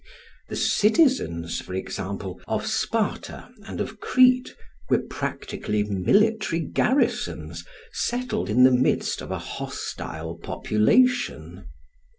The citizens, for example, of Sparta and of Crete, were practically military garrisons, settled in the midst of a hostile population.